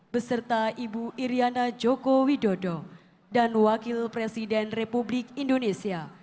beserta ibu iryana joko widodo dan wakil presiden republik indonesia